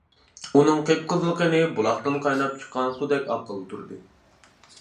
ئۇنىڭ قىپقىزىل قېنى بۇلاقتىن قايناپ چىققان سۇدەك ئاققىلى تۇردى.